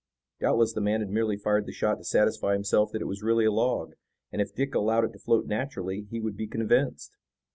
Doubtless the man had merely fired the shot to satisfy himself that it was really a log, and if Dick allowed it to float naturally he would be convinced.